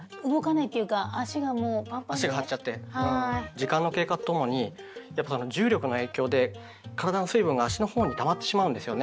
時間の経過と共に重力の影響で体の水分が足のほうにたまってしまうんですよね。